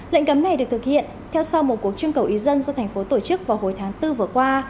lệnh cấm này được thực hiện theo sau một cuộc trưng cầu ý dân do thành phố tổ chức vào hồi tháng bốn vừa qua